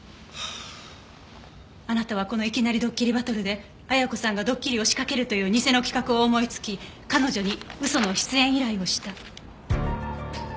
あなたはこの『いきなりどっきりバトル』で綾子さんがどっきりを仕掛けるというニセの企画を思いつき彼女に嘘の出演依頼をした。